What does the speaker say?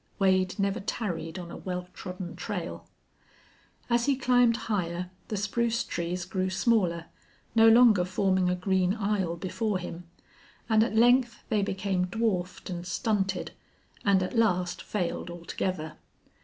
Wade never tarried on a well trodden trail. As he climbed higher the spruce trees grew smaller, no longer forming a green aisle before him, and at length they became dwarfed and stunted, and at last failed altogether.